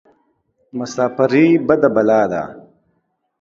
مساپرى بده بلا ده.